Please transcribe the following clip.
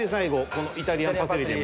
このイタリアンパセリで。